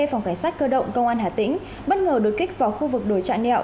phòng cảnh sát cơ động công an hả tĩnh bất ngờ đột kích vào khu vực đồi trạng nẹo